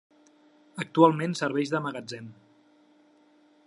Actualment serveix de magatzem.